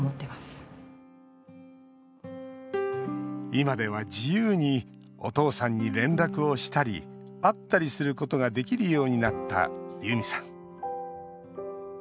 今では自由にお父さんに連絡をしたり会ったりすることができるようになった、ユミさん。